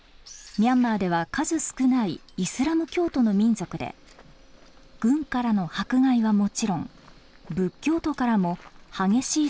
ミャンマーでは数少ないイスラム教徒の民族で軍からの迫害はもちろん仏教徒からも激しい差別を受けてきました。